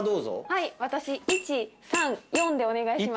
はい私１３４でお願いします。